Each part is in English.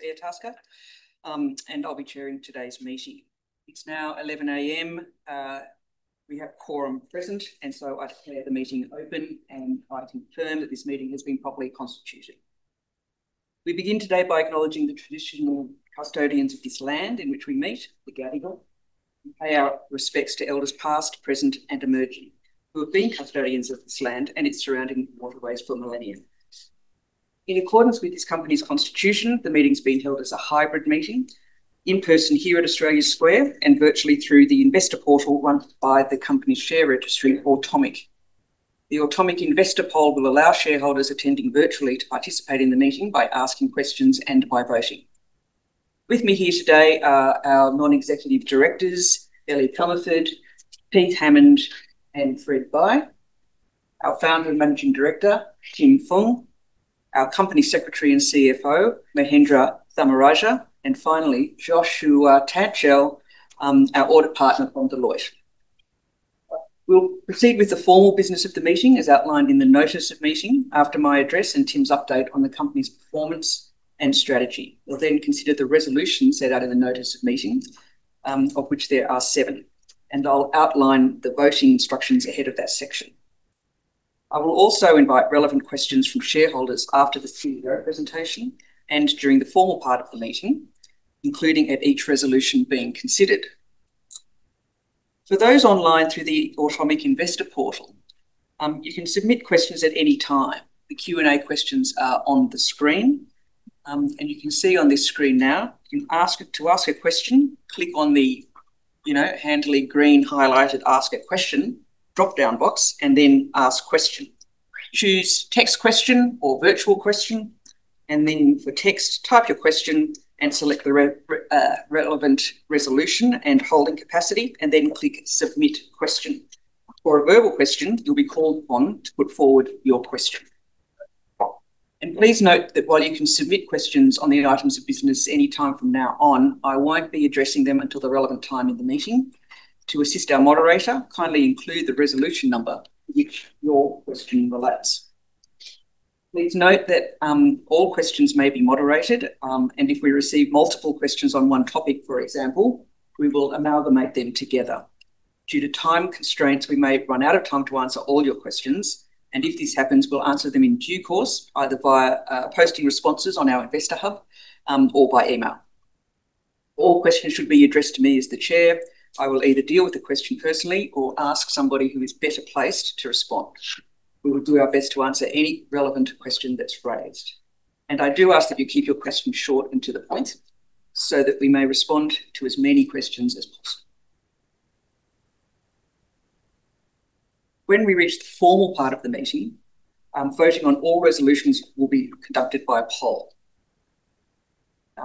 Of Airtasker Siting Li, and I'll be chairing today's meeting. It's now 11:00 A.M. We have quorum present, and so I declare the meeting open, and I confirm that this meeting has been properly constituted. We begin today by acknowledging the traditional custodians of this land in which we meet, the Gadigal, and pay our respects to elders past, present, and emerging who have been custodians of this land and its surrounding waterways for millennia. In accordance with this company's constitution, the meeting's being held as a hybrid meeting, in person here at Australia Square and virtually through the investor portal run by the company's share registry, Automic. The Automic investor poll will allow shareholders attending virtually to participate in the meeting by asking questions and by voting. With me here today are our non-executive directors, Elliot Thomaford, Pete Hammond, and Fred Bai. Our founder and Managing Director, Tim Fung, our Company Secretary and CFO, Mahendra Tharmarajah, and finally, Joshua Tanchel, our audit partner from Deloitte. We'll proceed with the formal business of the meeting as outlined in the notice of meeting after my address and Tim's update on the company's performance and strategy. We'll then consider the resolutions set out in the notice of meeting, of which there are seven, and I'll outline the voting instructions ahead of that section. I will also invite relevant questions from shareholders after the CEO presentation and during the formal part of the meeting, including at each resolution being considered. For those online through the Automic investor portal, you can submit questions at any time. The Q&A questions are on the screen, and you can see on this screen now. To ask a question, click on the handily green highlighted Ask a Question drop-down box and then Ask Question. Choose Text Question or Virtual Question, and then for Text, type your question and select the relevant resolution and holding capacity, and then click Submit Question. For a verbal question, you'll be called upon to put forward your question. Please note that while you can submit questions on the items of business any time from now on, I won't be addressing them until the relevant time in the meeting. To assist our moderator, kindly include the resolution number to which your question relates. Please note that all questions may be moderated, and if we receive multiple questions on one topic, for example, we will amalgamate them together. Due to time constraints, we may run out of time to answer all your questions, and if this happens, we'll answer them in due course, either via posting responses on our Investor Hub or by email. All questions should be addressed to me as the Chair. I will either deal with the question personally or ask somebody who is better placed to respond. We will do our best to answer any relevant question that's raised. I do ask that you keep your questions short and to the point so that we may respond to as many questions as possible. When we reach the formal part of the meeting, voting on all resolutions will be conducted by a poll.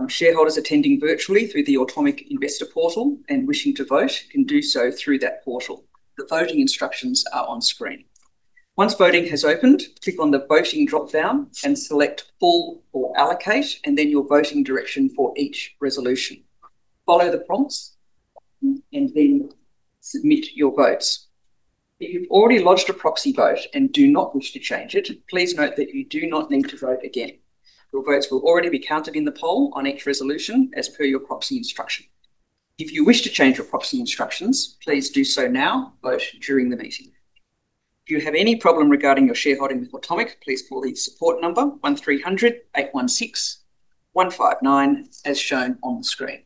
Shareholders attending virtually through the Automic investor portal and wishing to vote can do so through that portal. The voting instructions are on screen. Once voting has opened, click on the voting drop-down and select Full or Allocate, and then your voting direction for each resolution. Follow the prompts and then submit your votes. If you've already lodged a proxy vote and do not wish to change it, please note that you do not need to vote again. Your votes will already be counted in the poll on each resolution as per your proxy instruction. If you wish to change your proxy instructions, please do so now, both during the meeting. If you have any problem regarding your shareholding with Automic, please call the support number 1300 816 159 as shown on the screen.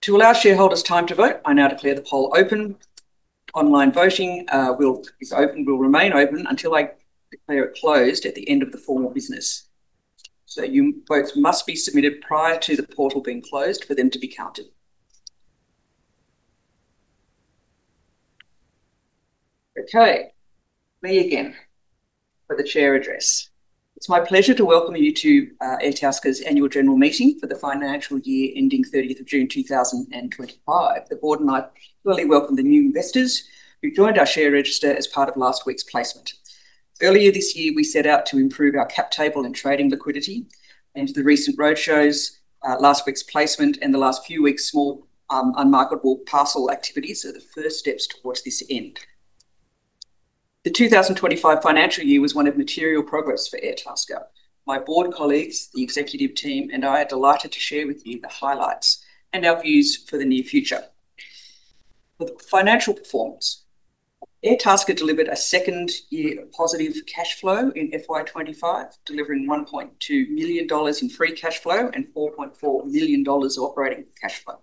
To allow shareholders time to vote, I now declare the poll open. Online voting is open, will remain open until I declare it closed at the end of the formal business. Your votes must be submitted prior to the portal being closed for them to be counted. Okay, me again for the chair address. It's my pleasure to welcome you to Airtasker's annual general meeting for the financial year ending 30th of June 2025. The board and I thoroughly welcome the new investors who joined our share register as part of last week's placement. Earlier this year, we set out to improve our cap table and trading liquidity, and the recent road shows, last week's placement, and the last few weeks' small unmarketable parcel activities are the first steps towards this end. The 2025 financial year was one of material progress for Airtasker. My board colleagues, the executive team, and I are delighted to share with you the highlights and our views for the near future. For the financial performance, Airtasker delivered a second year of positive cash flow in FY25, delivering 1.2 million dollars in free cash flow and 4.4 million dollars operating cash flow.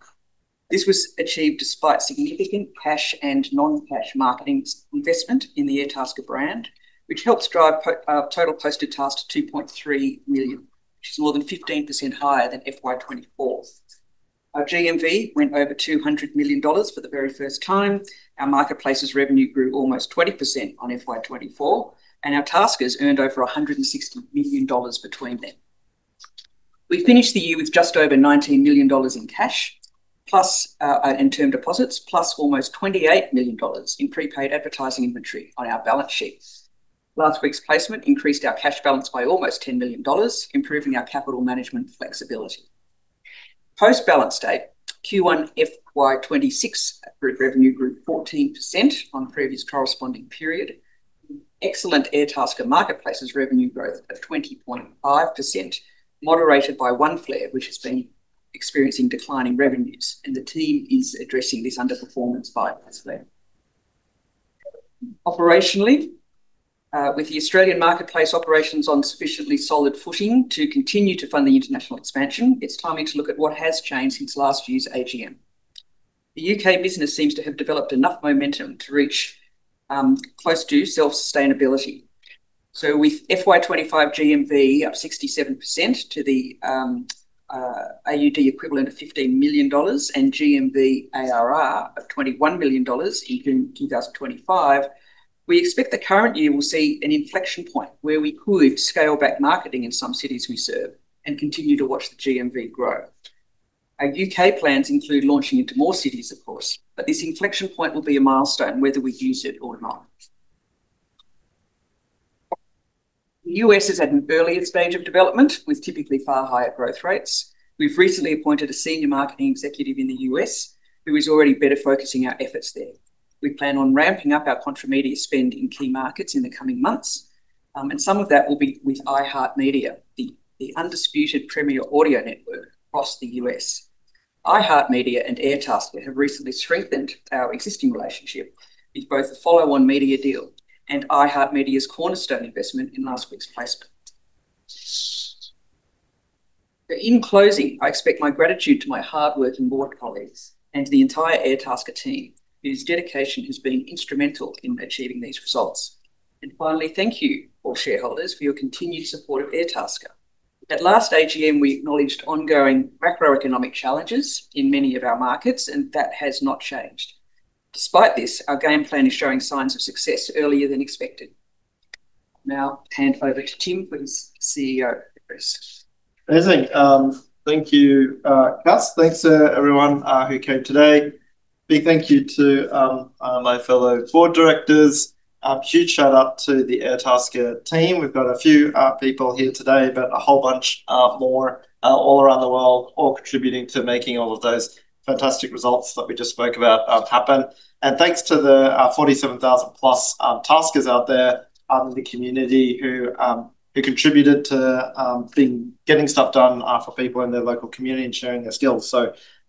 This was achieved despite significant cash and non-cash marketing investment in the Airtasker brand, which helps drive total posted tasks to 2.3 million, which is more than 15% higher than FY24. Our GMV went over 200 million dollars for the very first time. Our marketplace's revenue grew almost 20% on FY24, and our taskers earned over 160 million dollars between then. We finished the year with just over 19 million dollars in cash and term deposits, plus almost 28 million dollars in prepaid advertising inventory on our balance sheet. Last week's placement increased our cash balance by almost 10 million dollars, improving our capital management flexibility. Post-balance date, Q1 FY26 revenue grew 14% on the previous corresponding period. Excellent Airtasker marketplace's revenue growth of 20.5% moderated by Oneflare, which has been experiencing declining revenues, and the team is addressing this underperformance by this way. Operationally, with the Australian marketplace operations on sufficiently solid footing to continue to fund the international expansion, it's timely to look at what has changed since last year's AGM. The U.K. business seems to have developed enough momentum to reach close to self-sustainability. With FY25 GMV up 67% to the AUD equivalent of 15 million dollars and GMV ARR of 21 million dollars in June 2025, we expect the current year will see an inflection point where we could scale back marketing in some cities we serve and continue to watch the GMV grow. Our U.K. plans include launching into more cities, of course, but this inflection point will be a milestone whether we use it or not. The US is at an earlier stage of development with typically far higher growth rates. We've recently appointed a senior marketing executive in the U.S. who is already better focusing our efforts there. We plan on ramping up our contramedia spend in key markets in the coming months, and some of that will be with iHeart Media, the undisputed premier audio network across the U.S. iHeart Media and Airtasker have recently strengthened our existing relationship with both the follow-on media deal and iHeart Media's cornerstone investment in last week's placement. In closing, I express my gratitude to my hardworking board colleagues and to the entire Airtasker team whose dedication has been instrumental in achieving these results. Finally, thank you all shareholders for your continued support of Airtasker. At last AGM, we acknowledged ongoing macroeconomic challenges in many of our markets, and that has not changed. Despite this, our game plan is showing signs of success earlier than expected. Now, hand over to Tim, who is CEO. Amazing. Thank you, Kas. Thanks to everyone who came today. Big thank you to my fellow board directors. Huge shout-out to the Airtasker team. We've got a few people here today, but a whole bunch more all around the world, all contributing to making all of those fantastic results that we just spoke about happen. Thanks to the 47,000-plus taskers out there in the community who contributed to getting stuff done for people in their local community and sharing their skills.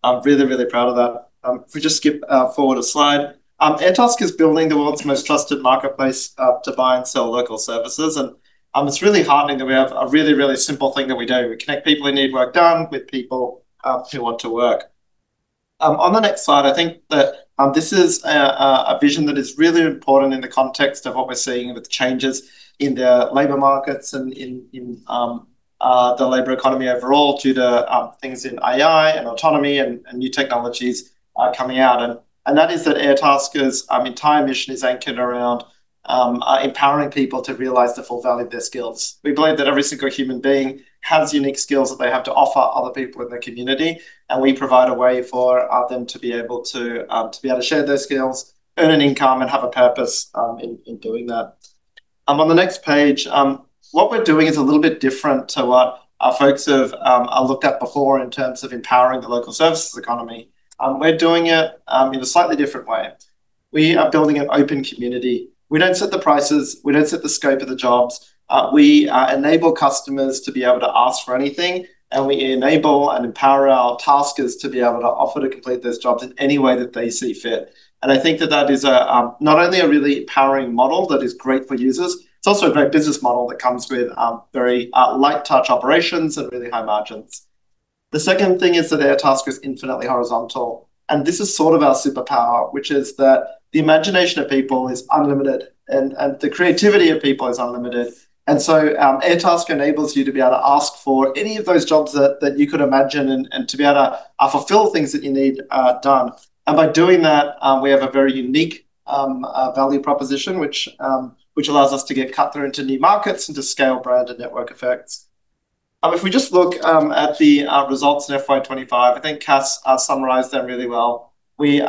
I'm really, really proud of that. If we just skip forward a slide, Airtasker is building the world's most trusted marketplace to buy and sell local services. It's really heartening that we have a really, really simple thing that we do. We connect people in need of work done with people who want to work. On the next slide, I think that this is a vision that is really important in the context of what we're seeing with the changes in the labor markets and in the labor economy overall due to things in AI and autonomy and new technologies coming out. That is that Airtasker's entire mission is anchored around empowering people to realize the full value of their skills. We believe that every single human being has unique skills that they have to offer other people in their community, and we provide a way for them to be able to share those skills, earn an income, and have a purpose in doing that. On the next page, what we're doing is a little bit different to what our folks have looked at before in terms of empowering the local services economy. We're doing it in a slightly different way. We are building an open community. We don't set the prices. We don't set the scope of the jobs. We enable customers to be able to ask for anything, and we enable and empower our taskers to be able to offer to complete those jobs in any way that they see fit. I think that that is not only a really empowering model that is great for users, it's also a great business model that comes with very light-touch operations and really high margins. The second thing is that Airtasker is infinitely horizontal, and this is sort of our superpower, which is that the imagination of people is unlimited and the creativity of people is unlimited. Airtasker enables you to be able to ask for any of those jobs that you could imagine and to be able to fulfill things that you need done. By doing that, we have a very unique value proposition which allows us to get cut through into new markets and to scale brand and network effects. If we just look at the results in FY25, I think Kas summarized that really well. We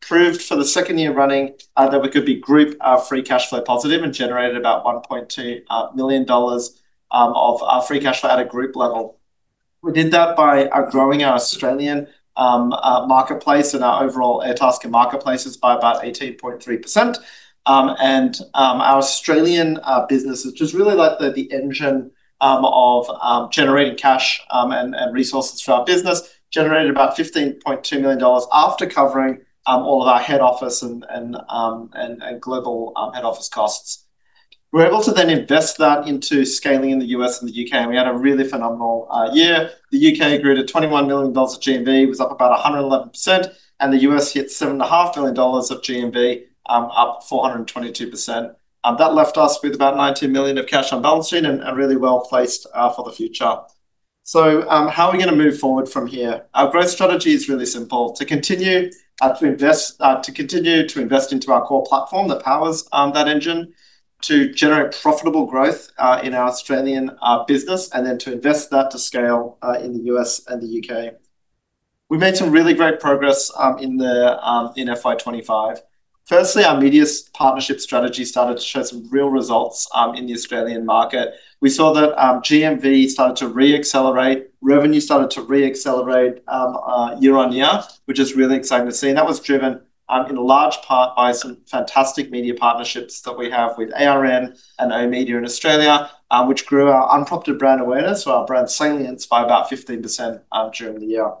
proved for the second year running that we could be group free cash flow positive and generated about 1.2 million dollars of free cash flow at a group level. We did that by growing our Australian marketplace and our overall Airtasker marketplaces by about 18.3%. Our Australian business is just really like the engine of generating cash and resources for our business, generated about 15.2 million dollars after covering all of our head office and global head office costs. We are able to then invest that into scaling in the U.S. and the U.K., and we had a really phenomenal year. The U.K. grew to 21 million dollars of GMV, was up about 111%, and the U.S. hit 7.5 million dollars of GMV, up 422%. That left us with about 19 million of cash on balance sheet and really well placed for the future. How are we going to move forward from here? Our growth strategy is really simple: to continue to invest into our core platform that powers that engine, to generate profitable growth in our Australian business, and then to invest that to scale in the U.S. and the U.K. We made some really great progress in FY25. Firstly, our media partnership strategy started to show some real results in the Australian market. We saw that GMV started to re-accelerate. Revenue started to re-accelerate year on year, which is really exciting to see. That was driven in large part by some fantastic media partnerships that we have with ARN and oOh!media in Australia, which grew our unprompted brand awareness, so our brand salience by about 15% during the year.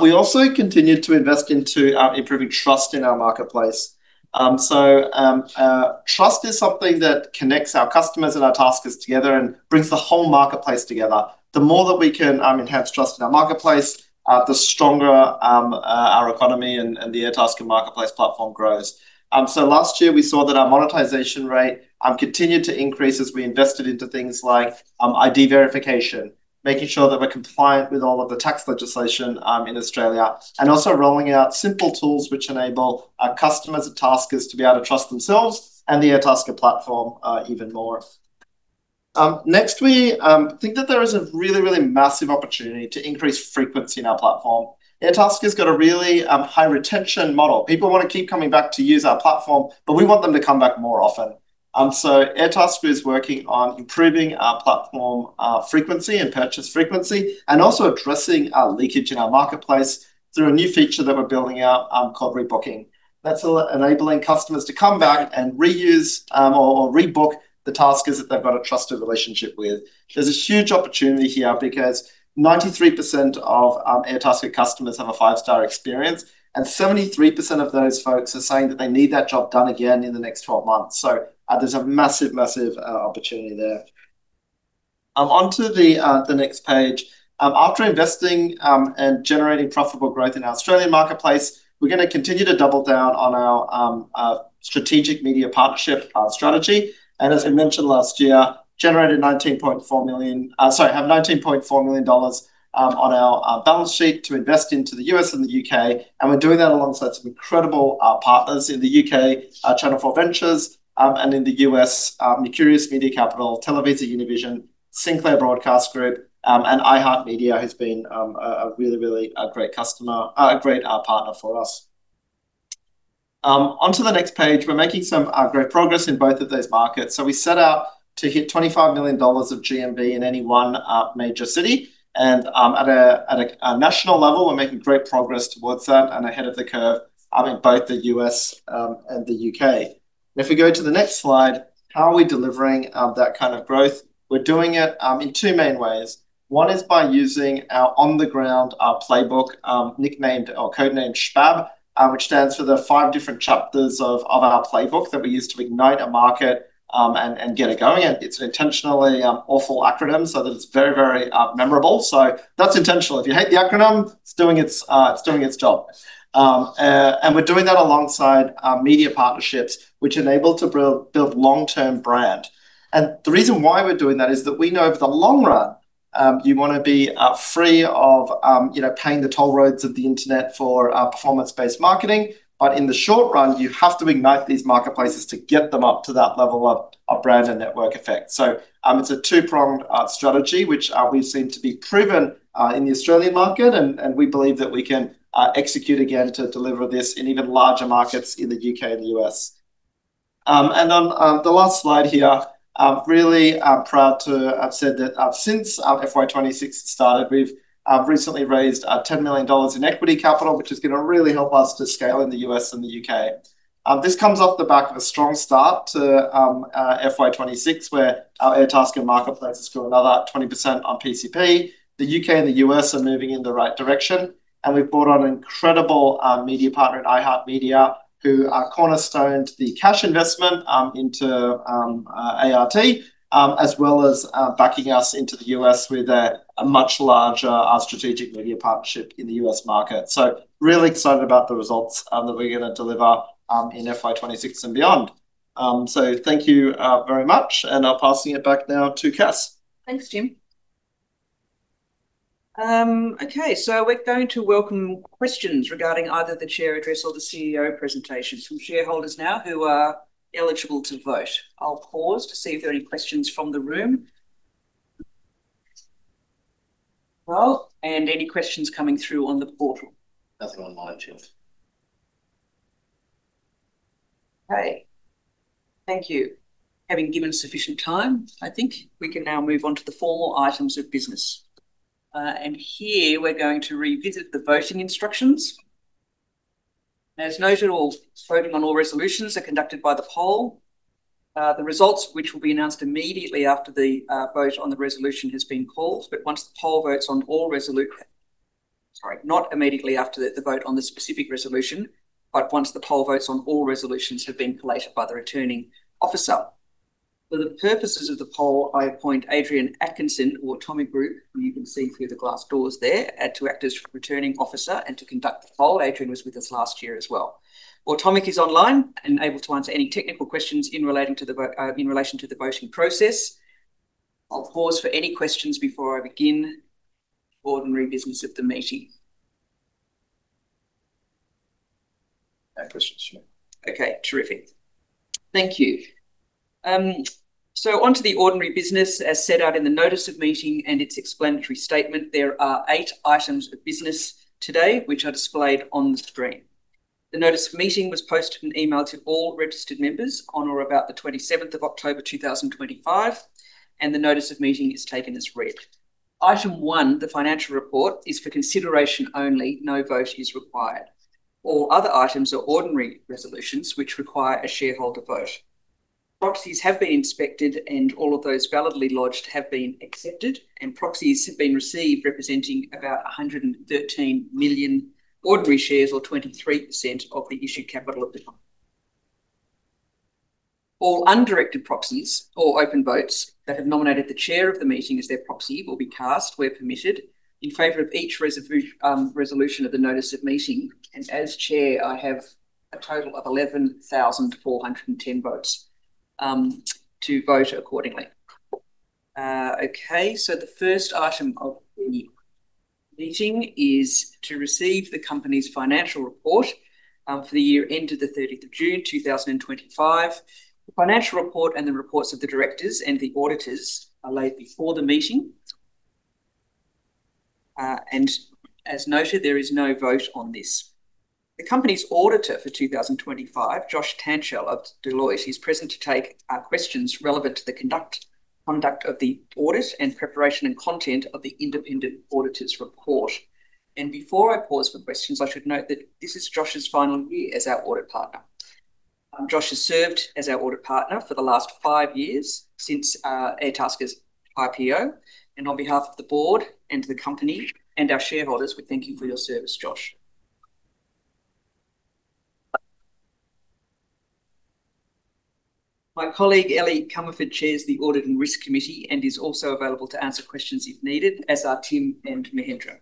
We also continued to invest into improving trust in our marketplace. Trust is something that connects our customers and our taskers together and brings the whole marketplace together. The more that we can enhance trust in our marketplace, the stronger our economy and the Airtasker marketplace platform grows. Last year, we saw that our monetization rate continued to increase as we invested into things like ID verification, making sure that we're compliant with all of the tax legislation in Australia, and also rolling out simple tools which enable our customers and taskers to be able to trust themselves and the Airtasker platform even more. Next, we think that there is a really, really massive opportunity to increase frequency in our platform. Airtasker has got a really high retention model. People want to keep coming back to use our platform, but we want them to come back more often. Airtasker is working on improving our platform frequency and purchase frequency and also addressing our leakage in our marketplace through a new feature that we're building out called rebooking. That is enabling customers to come back and reuse or rebook the taskers that they've got a trusted relationship with. There is a huge opportunity here because 93% of Airtasker customers have a five-star experience, and 73% of those folks are saying that they need that job done again in the next 12 months. There is a massive, massive opportunity there. Onto the next page. After investing and generating profitable growth in our Australian marketplace, we're going to continue to double down on our strategic media partnership strategy. As we mentioned last year, generated 19.4 million, sorry, have 19.4 million dollars on our balance sheet to invest into the U.S. and the U.K. We're doing that alongside some incredible partners in the U.K., Channel 4 Ventures, and in the U.S., Mercurius Media Capital, TelevisaUnivision, Sinclair Broadcast Group, and iHeart Media, who's been a really, really great customer, a great partner for us. Onto the next page, we're making some great progress in both of those markets. We set out to hit 25 million dollars of GMV in any one major city. At a national level, we're making great progress towards that and ahead of the curve in both the U.S. and the U.K. If we go to the next slide, how are we delivering that kind of growth? We're doing it in two main ways. One is by using our on-the-ground playbook, nicknamed or codenamed SHPAB, which stands for the five different chapters of our playbook that we use to ignite a market and get it going. It is an intentionally awful acronym so that it is very, very memorable. That is intentional. If you hate the acronym, it is doing its job. We are doing that alongside media partnerships, which enable us to build long-term brand. The reason why we are doing that is that we know over the long run, you want to be free of paying the toll roads of the internet for performance-based marketing. In the short run, you have to ignite these marketplaces to get them up to that level of brand and network effect. It is a two-pronged strategy, which we have seen to be proven in the Australian market, and we believe that we can execute again to deliver this in even larger markets in the U.K. and the U.S. On the last slide here, I am really proud to have said that since FY2026 started, we have recently raised 10 million dollars in equity capital, which is going to really help us to scale in the U.S. and the U.K. This comes off the back of a strong start to FY2026, where our Airtasker marketplace is still another 20% on PCP. The U.K. and the U.S. are moving in the right direction, and we have brought on an incredible media partner at iHeart Media, who cornerstoned the cash investment into Airtasker, as well as backing us into the U.S. with a much larger strategic media partnership in the U.S. market. Really excited about the results that we're going to deliver in FY26 and beyond. Thank you very much, and I'll pass it back now to Kas. Thanks, Tim. Okay, we're going to welcome questions regarding either the chair address or the CEO presentation from shareholders now who are eligible to vote. I'll pause to see if there are any questions from the room. Are there any questions coming through on the portal? Nothing online, Tim. Okay. Thank you. Having given sufficient time, I think we can now move on to the formal items of business. Here, we're going to revisit the voting instructions. As noted, all voting on all resolutions are conducted by the poll. The results, which will be announced once the poll votes on all resolutions have been collated by the returning officer. For the purposes of the poll, I appoint Adrian Atkinson, Automic Group, who you can see through the glass doors there, to act as returning officer and to conduct the poll. Adrian was with us last year as well. Automic is online and able to answer any technical questions in relation to the voting process. I'll pause for any questions before I begin the ordinary business of the meeting. No questions. Okay, terrific. Thank you. On to the ordinary business, as set out in the notice of meeting and its explanatory statement, there are eight items of business today, which are displayed on the screen. The notice of meeting was posted and emailed to all registered members on or about October 27, 2025, and the notice of meeting is taken as read. Item one, the financial report, is for consideration only. No vote is required. All other items are ordinary resolutions, which require a shareholder vote. Proxies have been inspected, and all of those validly lodged have been accepted, and proxies have been received representing about 113 million ordinary shares, or 23% of the issued capital of the company. All undirected proxies or open votes that have nominated the Chair of the meeting as their proxy will be cast where permitted in favor of each resolution of the notice of meeting. As Chair, I have a total of 11,410 votes to vote accordingly. The first item of the meeting is to receive the company's financial report for the year ended the 30th of June, 2025. The financial report and the reports of the directors and the auditors are laid before the meeting. As noted, there is no vote on this. The company's auditor for 2025, Joshua Tanchel of Deloitte, is present to take questions relevant to the conduct of the audit and preparation and content of the independent auditor's report. Before I pause for questions, I should note that this is Joshua's final year as our audit partner. Josh has served as our audit partner for the last five years since Airtasker's IPO. On behalf of the board and the company and our shareholders, we thank you for your service, Josh. My colleague, Ellen Frances Commerford, chairs the Audit and Risk Committee and is also available to answer questions if needed, as are Tim and Mahendra.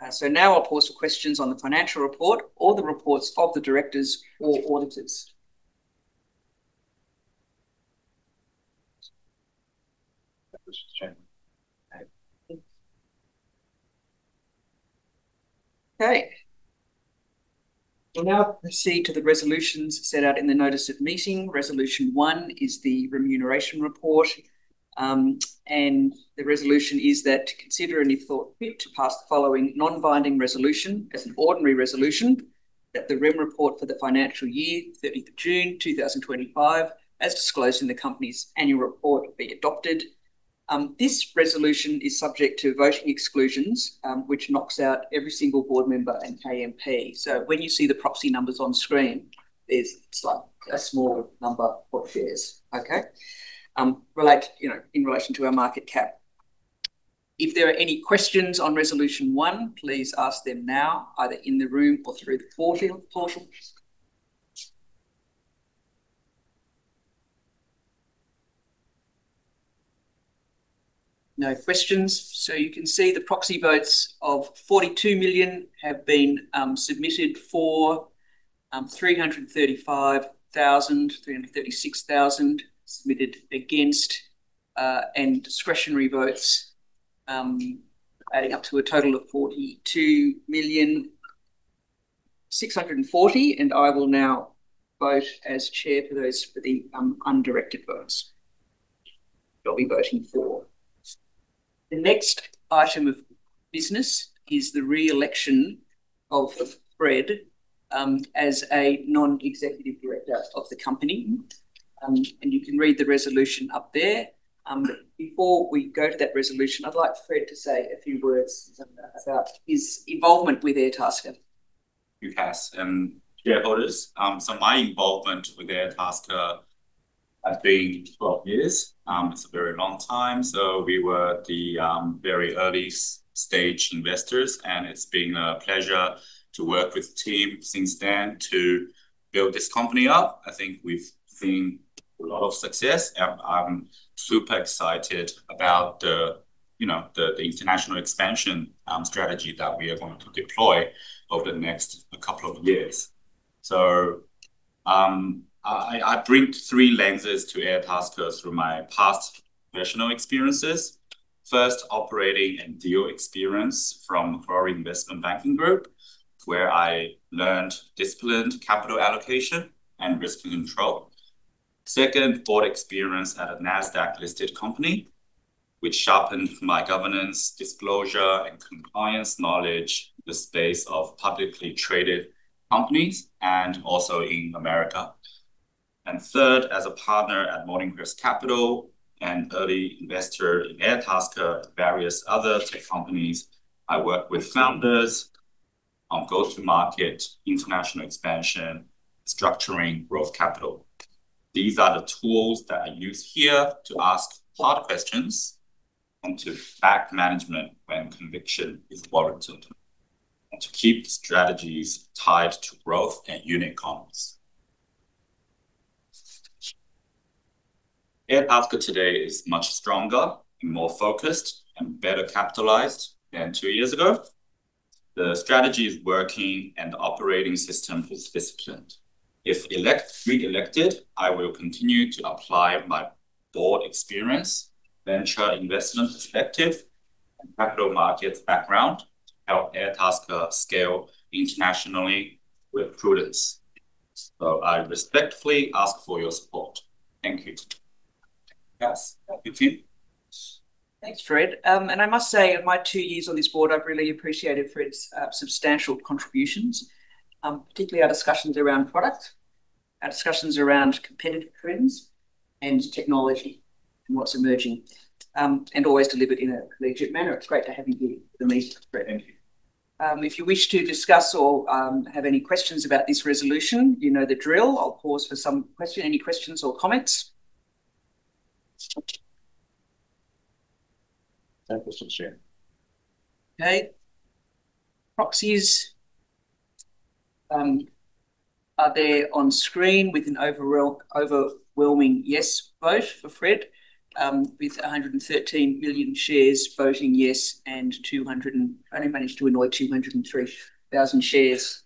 I will pause for questions on the financial report or the reports of the directors or auditors. No questions, Tim. Okay. We'll now proceed to the resolutions set out in the notice of meeting. Resolution one is the remuneration report. The resolution is that to consider and if thought fit to pass the following non-binding resolution as an ordinary resolution, that the REM report for the financial year, 30th of June, 2025, as disclosed in the company's annual report, be adopted. This resolution is subject to voting exclusions, which knocks out every single board member and AMP. When you see the proxy numbers on screen, there's a smaller number of shares, okay, in relation to our market cap. If there are any questions on resolution one, please ask them now, either in the room or through the portal. No questions. You can see the proxy votes of 42 million have been submitted for, 335,000, 336,000 submitted against, and discretionary votes, adding up to a total of 42,640. I will now vote as chair for those for the undirected votes. I'll be voting for. The next item of business is the re-election of Fred as a non-executive director of the company. You can read the resolution up there. Before we go to that resolution, I'd like Fred to say a few words about his involvement with Airtasker Siting. Thank you, Kas. And shareholders. My involvement with Airtasker has been 12 years. It's a very long time. We were the very early-stage investors, and it's been a pleasure to work with Tim since then to build this company up. I think we've seen a lot of success. I'm super excited about the international expansion strategy that we are going to deploy over the next couple of years. I bring three lenses to Airtasker through my past professional experiences. First, operating and deal experience from Macquarie Group, where I learned disciplined capital allocation and risk control. Second, board experience at a Nasdaq-listed company, which sharpened my governance, disclosure, and compliance knowledge in the space of publicly traded companies and also in America. Third, as a partner at Morning Cross Capital and early investor in Airtasker and various other tech companies, I worked with founders on go-to-market, international expansion, structuring, growth capital. These are the tools that I use here to ask hard questions and to back management when conviction is warranted and to keep strategies tied to growth and unit economies. Airtasker today is much stronger, more focused, and better capitalized than two years ago. The strategy is working and the operating system is disciplined. If re-elected, I will continue to apply my board experience, venture investment perspective, and capital markets background to help Airtasker scale internationally with prudence. I respectfully ask for your support. Thank you. Kas, thank you, Tim. Thanks, Fred. I must say, in my two years on this board, I've really appreciated Fred's substantial contributions, particularly our discussions around product, our discussions around competitive trends, and technology and what's emerging, and always delivered in a collegiate manner. It's great to have you here. Thank you. If you wish to discuss or have any questions about this resolution, you know the drill. I'll pause for some questions, any questions or comments. No questions, Jim. Okay. Proxies are there on screen with an overwhelming yes vote for Fred, with 113 million shares voting yes and only managed to annoy 203,000 shares,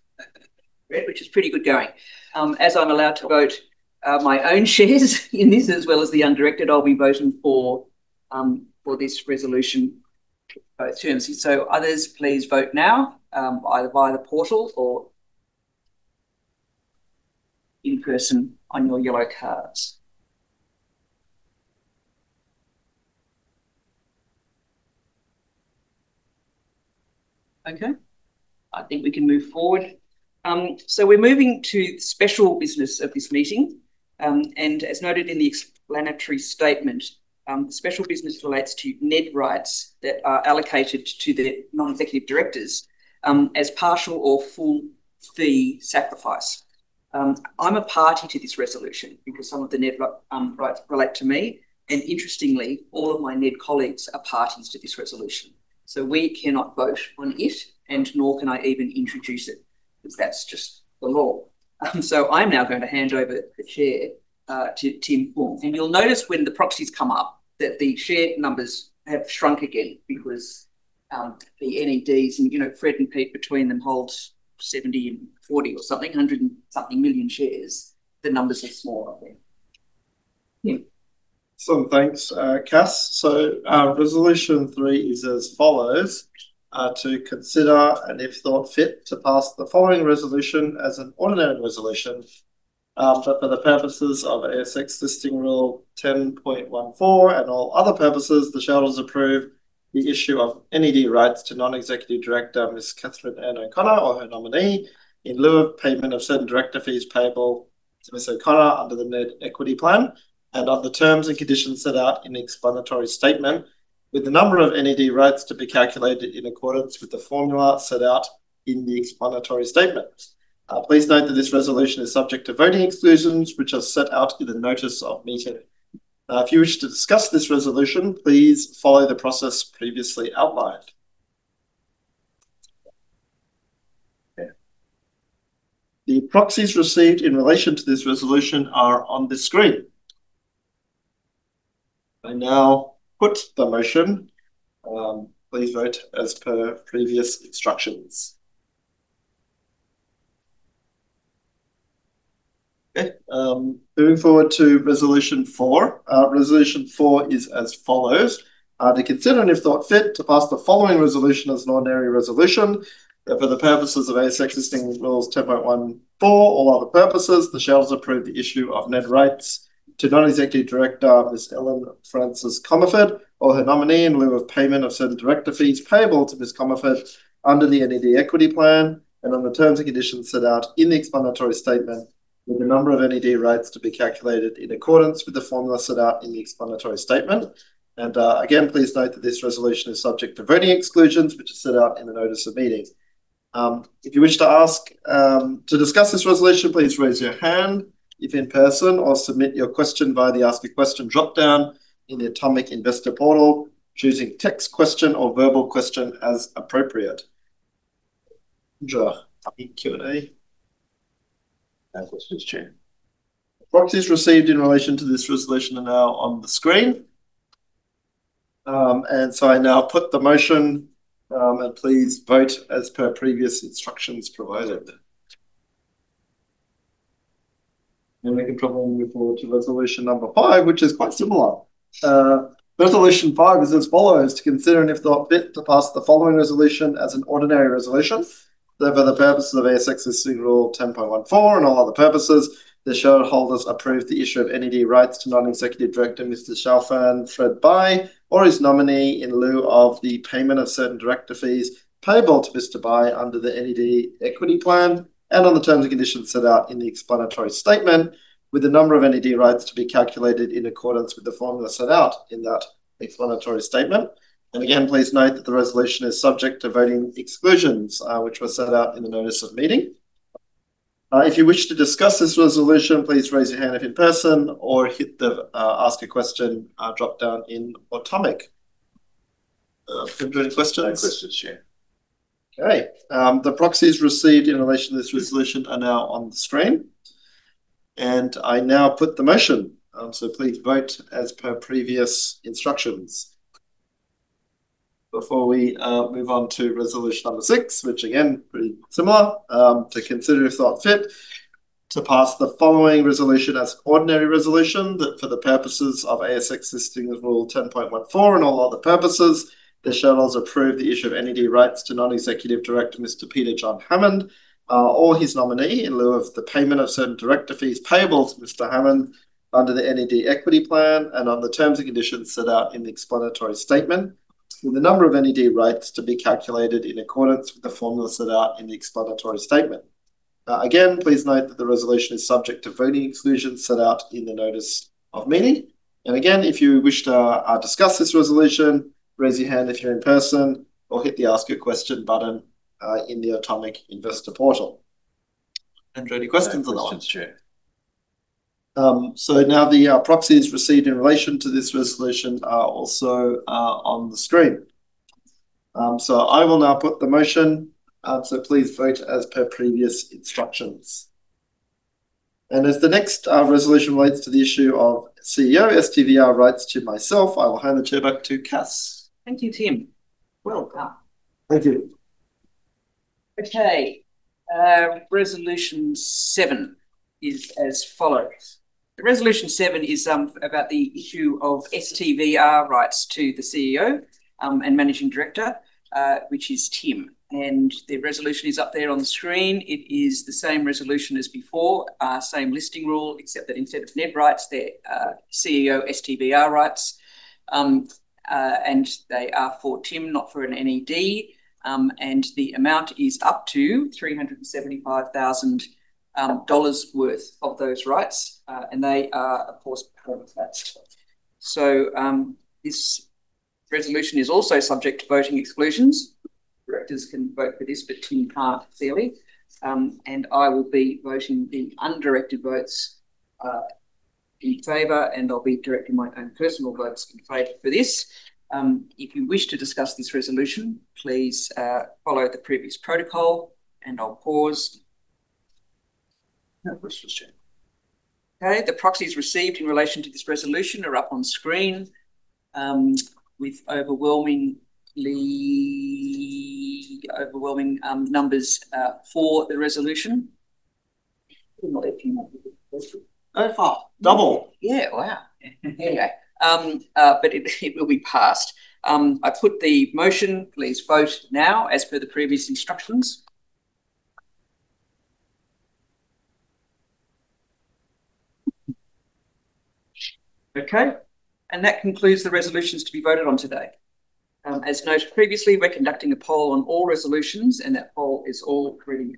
which is pretty good going. As I'm allowed to vote my own shares in this, as well as the undirected, I'll be voting for this resolution both terms. Others, please vote now either via the portal or in person on your yellow cards. Okay. I think we can move forward. We're moving to the special business of this meeting. As noted in the explanatory statement, the special business relates to NED Rights that are allocated to the non-executive directors as partial or full fee sacrifice. I'm a party to this resolution because some of the NED Rights relate to me. Interestingly, all of my NED colleagues are parties to this resolution. We cannot vote on it, and nor can I even introduce it because that's just the law. I am now going to hand over the chair to Tim Fung. You'll notice when the proxies come up that the share numbers have shrunk again because the NEDs and Fred and Pete between them hold 70 and 40 or something, 100 and something million shares. The numbers are smaller. Excellent. Thanks, Kas. Resolution three is as follows: to consider and if thought fit to pass the following resolution as an ordinary resolution, but for the purposes of ASX Listing Rule 10.14 and all other purposes, the shareholders approve the issue of NED Rights to non-executive director Ms. Kathryn Ann O'Connor or her nominee in lieu of payment of certain director fees payable to Ms. O'Connor under the net equity plan and of the terms and conditions set out in the explanatory statement, with the number of NED Rights to be calculated in accordance with the formula set out in the explanatory statement. Please note that this resolution is subject to voting exclusions, which are set out in the notice of meeting. If you wish to discuss this resolution, please follow the process previously outlined. The proxies received in relation to this resolution are on the screen. I now put the motion. Please vote as per previous instructions. Okay. Moving forward to resolution four. Resolution four is as follows: to consider and if thought fit to pass the following resolution as an ordinary resolution, that for the purposes of ASX Listing Rules 10.14 or other purposes, the shareholders approve the issue of NED rights to Non-Executive Director Ms. Ellen Frances Commerford or her nominee in lieu of payment of certain director fees payable to Ms. Commerford under the NED equity plan and on the terms and conditions set out in the explanatory statement, with the number of NED rights to be calculated in accordance with the formula set out in the explanatory statement. Please note that this resolution is subject to voting exclusions, which is set out in the notice of meeting. If you wish to ask to discuss this resolution, please raise your hand if in person or submit your question via the Ask a Question dropdown in the Automic Investor portal, choosing text question or verbal question as appropriate. No questions. Proxies received in relation to this resolution are now on the screen. I now put the motion, and please vote as per previous instructions provided. We can probably move forward to resolution number five, which is quite similar. Resolution five is as follows: to consider and if thought fit to pass the following resolution as an ordinary resolution, that for the purposes of ASX Listing Rule 10.14 and all other purposes, the shareholders approve the issue of NED Rights to Non-Executive Director Mr. Shaofan Fred Bai or his nominee in lieu of the payment of certain director fees payable to Mr. Bai under the NED Equity Plan and on the terms and conditions set out in the explanatory statement, with the number of NED Rights to be calculated in accordance with the formula set out in that explanatory statement. Please note that the resolution is subject to voting exclusions, which were set out in the notice of meeting. If you wish to discuss this resolution, please raise your hand if in person or hit the Ask a Question dropdown in Automic. Tim, do you have any questions? No questions, Tim. Okay. The proxies received in relation to this resolution are now on the screen. I now put the motion. Please vote as per previous instructions. Before we move on to resolution number six, which again, pretty similar, to consider if thought fit to pass the following resolution as an ordinary resolution, that for the purposes of ASX Listing Rule 10.14 and all other purposes, the shareholders approve the issue of NED Rights to non-executive director Mr. Peter John Hammond or his nominee in lieu of the payment of certain director fees payable to Mr. Hammond under the NED Equity Plan and on the terms and conditions set out in the explanatory statement, with the number of NED Rights to be calculated in accordance with the formula set out in the explanatory statement. Again, please note that the resolution is subject to voting exclusions set out in the notice of meeting. If you wish to discuss this resolution, raise your hand if you're in person or hit the Ask a Question button in the Automic Investor portal. No questions at all. The proxies received in relation to this resolution are also on the screen. I will now put the motion. Please vote as per previous instructions. As the next resolution relates to the issue of CEO STVR rights to myself, I will hand the chair back to Kas. Thank you, Tim. Thank you. Okay. Resolution seven is as follows. Resolution seven is about the issue of STVR rights to the CEO and Managing Director, which is Tim. The resolution is up there on the screen. It is the same resolution as before, same listing rule, except that instead of NED rights, they're CEO STVR rights. They are for Tim, not for an NED. The amount is up to 375,000 dollars worth of those rights. They are, of course, prioritized. This resolution is also subject to voting exclusions. Directors can vote for this, but Tim can't clearly. I will be voting the undirected votes in favor, and I'll be directing my own personal votes in favor for this. If you wish to discuss this resolution, please follow the previous protocol, and I'll pause. No questions. Okay. The proxies received in relation to this resolution are up on screen with overwhelmingly overwhelming numbers for the resolution. Go far. Double. Yeah. Wow. Anyway, it will be passed. I put the motion, please vote now as per the previous instructions. Okay. That concludes the resolutions to be voted on today. As noted previously, we're conducting a poll on all resolutions, and that poll is already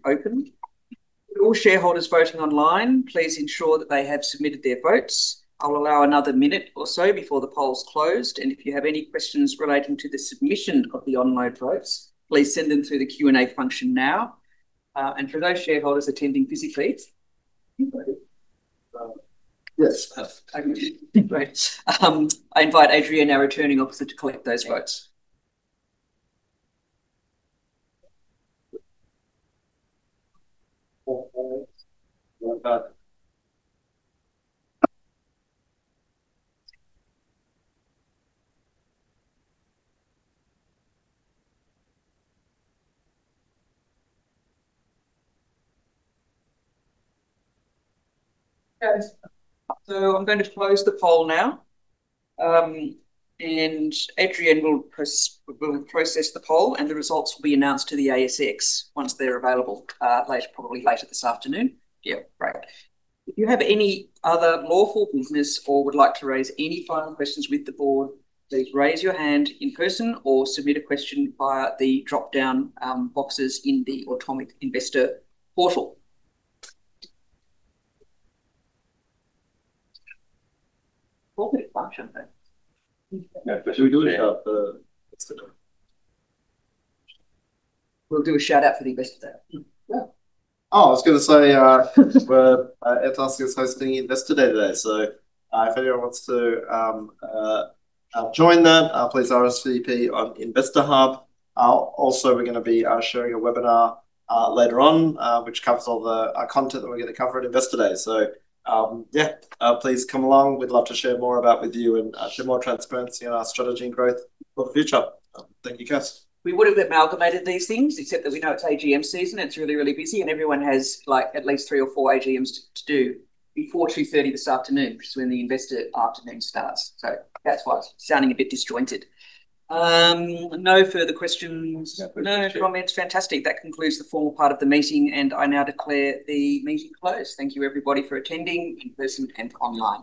open. All shareholders voting online, please ensure that they have submitted their votes. I'll allow another minute or so before the poll is closed. If you have any questions relating to the submission of the online votes, please send them through the Q&A function now. For those shareholders attending physically. Yes. Great. I invite Adrian, our returning officer, to collect those votes. I'm going to close the poll now. Adrian will process the poll, and the results will be announced to the ASX once they're available, probably later this afternoon. Yeah. Great. If you have any other lawful business or would like to raise any final questions with the board, please raise your hand in person or submit a question via the dropdown boxes in the Automic Investor portal. Should we do a shout for the investor? We'll do a shout out for the investor. Yeah. Oh, I was going to say Airtasker is hosting Investor Day today. If anyone wants to join that, please RSVP on Investor Hub. Also, we're going to be sharing a webinar later on, which covers all the content that we're going to cover at Investor Day. Yeah, please come along. We'd love to share more about with you and show more transparency on our strategy and growth for the future. Thank you, Kas. We would have amalgamated these things except that we know it's AGM season. It's really, really busy, and everyone has at least three or four AGMs to do before 2:30 this afternoon because when the investor afternoon starts. That's why it's sounding a bit disjointed. No further questions. No further questions. No comments. Fantastic. That concludes the formal part of the meeting, and I now declare the meeting closed. Thank you, everybody, for attending in person and online.